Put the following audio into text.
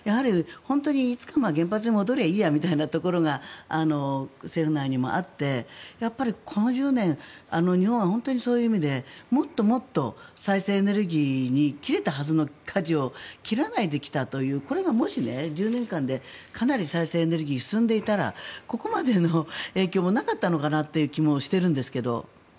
いつか原発に戻ればいいやみたいなところが政府内にもあってこの１０年、日本は本当にそういう意味でもっともっと再生可能エネルギーに切れたはずのかじを切らないで来たというこれがもし１０年間でかなり再生エネルギーが進んでいたら、ここまでの影響もなかったのかなという気もしているんですけど。